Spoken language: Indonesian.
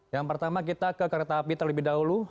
yang pertama kita ke kereta api terlebih dahulu